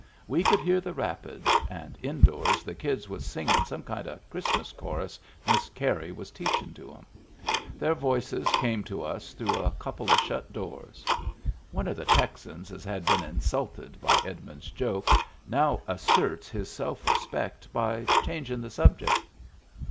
We could hear the rapids, and indoors the kids was singin' some kind of Christmas chorus Miss Carey was teachin' to 'em. Their voices come to us through a couple of shut doors. One of the Texans as had been insulted by Edmund's joke now asserts his self respect by changin* the subject.